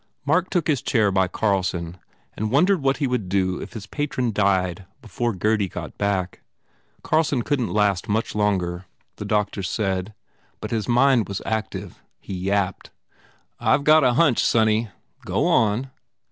Mark took his chair by Carlson and wondered what he would do if his patron died before Gurdy got back. Carlson couldn t last much longer, the doctors said, but his mind was active. He yapped, "I ve got a hunch, sonny." "Go on."